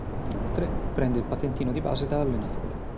Inoltre prende il patentino di base da allenatore.